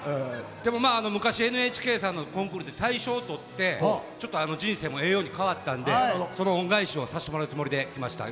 でもまあ昔ＮＨＫさんのコンクールで大賞取ってちょっとあの人生もええように変わったんでその恩返しをさしてもらうつもりで来ました。